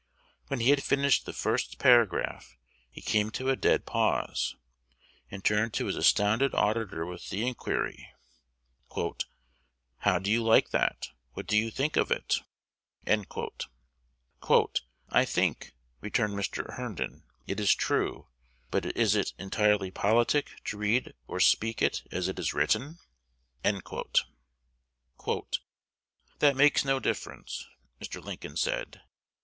When he had finished the first paragraph, he came to a dead pause, and turned to his astounded auditor with the inquiry, "How do you like that? What do you think of it?" "I think," returned Mr. Herndon, "it is true; but is it entirely politic to read or speak it as it is written?" "That makes no difference," Mr. Lincoln said.